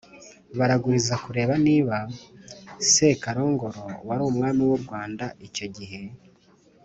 baraguriza kureba niba sekarongoro wari umwami w’u rwanda icyo gihe,